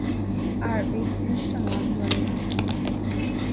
阿尔卑斯圣昂德雷。